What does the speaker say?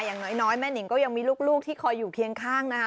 อย่างน้อยแม่นิงก็ยังมีลูกที่คอยอยู่เคียงข้างนะคะ